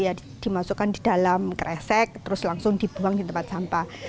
ya dimasukkan di dalam kresek terus langsung dibuang di tempat sampah